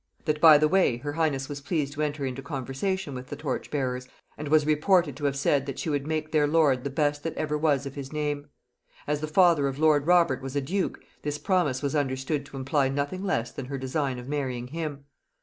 That by the way her highness was pleased to enter into conversation with the torch bearers, and was reported to have said, that she would make their lord the best that ever was of his name. As the father of lord Robert was a duke, this promise was understood to imply nothing less than her design of marrying him.